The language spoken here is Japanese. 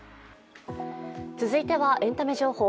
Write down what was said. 続いてはエンタメ情報。